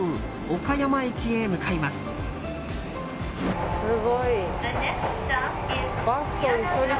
岡山駅へ向かいます。